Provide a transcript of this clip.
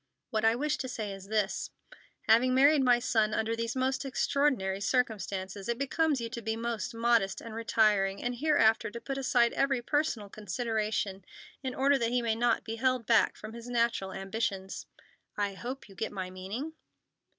What I wish to say is this: "Having married my son under these most extraordinary circumstances, it becomes you to be most modest and retiring, and hereafter to put aside every personal consideration, in order that he may not be held back from his natural ambitions. I hope you get my meaning?"